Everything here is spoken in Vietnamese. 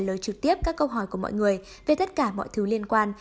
chúng tôi sẽ trả lời trực tiếp các câu hỏi của mọi người về tất cả mọi thứ liên quan